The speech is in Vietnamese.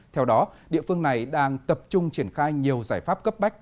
theo đó địa phương này đang tập trung triển khai nhiều giải pháp cấp bách